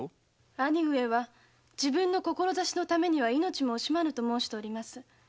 兄上は自分の志のためには命も惜しまぬと申しております。